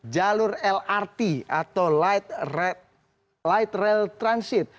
jalur lrt atau light railway